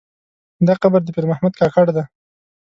دا قبر د پیر محمد کاکړ دی.